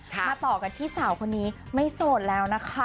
มาต่อกันที่สาวคนนี้ไม่โสดแล้วนะคะ